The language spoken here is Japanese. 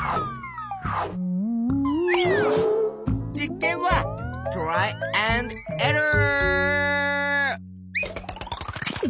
実験はトライアンドエラー！